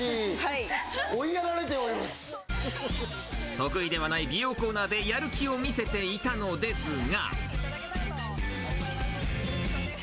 得意ではない美容コーナーでやる気を見せていたのですが。